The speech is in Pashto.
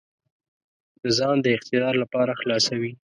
د ځان د اقتدار لپاره خلاصوي.